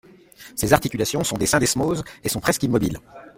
Ces articulations sont des syndesmoses et sont presque immobiles.